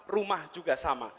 rumah juga sama